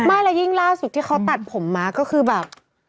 ไม่แล้วยิ่งล่าสุดที่เขาตัดผมมาก็คือแบบ